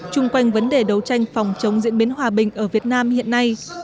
chung quanh vấn đề đấu tranh phòng chống diễn biến hòa bình ở việt nam hiện nay